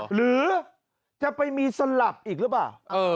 หรือจะไปมีสลับอีกหรือเปล่า